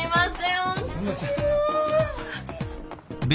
すいません。